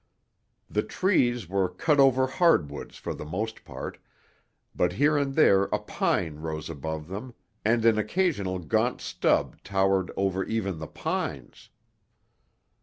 The trees were cutover hardwoods for the most part, but here and there a pine rose above them and an occasional gaunt stub towered over even the pines.